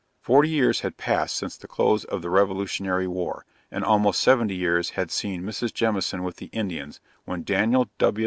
Forty years had passed since the close of the Revolutionary war, and almost seventy years had seen Mrs. Jemison with the Indians, when Daniel W.